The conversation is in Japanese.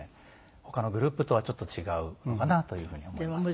他のグループとはちょっと違うのかなというふうに思います。